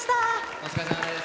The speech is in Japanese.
お疲れさまです。